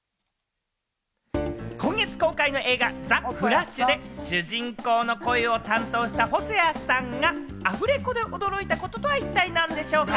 今月公開の映画『ザ・フラッシュ』で主人公の声を担当した細谷さんがアフレコで驚いたこととは一体何でしょうか？